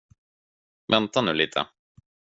Vänta nu lite!